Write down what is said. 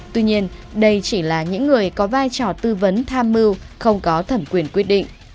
tuy nhiên đây chỉ là những người có vai trò tư vấn tham mưu không có thẩm quyền quyết định